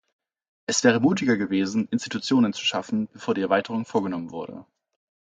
Es wäre mutiger gewesen, Institutionen zu schaffen, bevor die Erweiterung vorgenommen wurde.